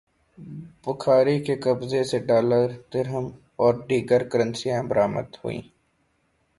بھکاری کے قبضے سے ڈالرز، درہم اور دیگر کرنسیاں برآمد ہوئیں